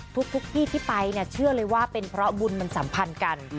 ทุกที่ที่ไปเนี่ยเชื่อเลยว่าเป็นเพราะบุญมันสัมพันธ์กัน